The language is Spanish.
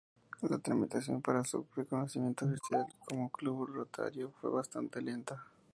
La tramitación para su reconocimiento oficial como Club Rotario fue bastante lenta.